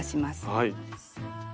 はい。